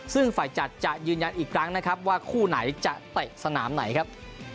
ซึ่งฝ่ายจัดจะยืนยันอีกครั้งนะครับว่าคู่ไหนจะเตะสนามไหนครับ